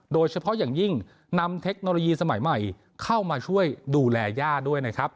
โดยเฉพาะอย่างยิ่งนำเทคโนโลยีสมัยใหม่เข้ามาช่วยดูแลย่าด้วยนะครับ